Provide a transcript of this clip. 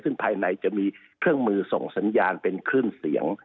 ซึ่งภายในจะมีเครื่องมือส่งสัญญาณเป็นคลื่นเสียง